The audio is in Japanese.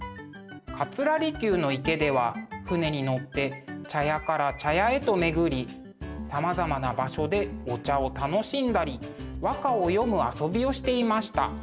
桂離宮の池では船に乗って茶屋から茶屋へと巡りさまざまな場所でお茶を楽しんだり和歌を詠む遊びをしていました。